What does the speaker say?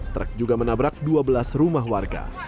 truk juga menabrak dua belas rumah warga